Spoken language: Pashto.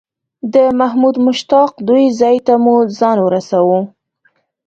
د محبوب مشتاق دوی ځای ته مو ځان ورساوه.